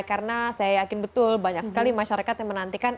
karena saya yakin betul banyak sekali masyarakat yang menantikan